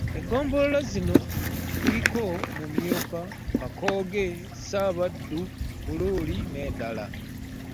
Eggombolola zino kuliko; Mumyuka Kakooge, Ssaabaddu Buluuli n'endala